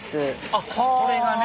あっこれがね